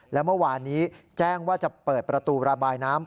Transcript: และเมื่อวานนี้แจ้งว่าจะเปิดประตูระบายน้ำ